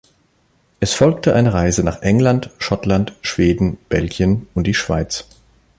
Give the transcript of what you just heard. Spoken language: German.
Es folgte eine Reise nach England, Schottland, Schweden, Belgien und die Schweiz.